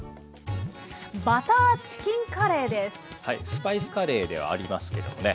スパイスカレーではありますけどもね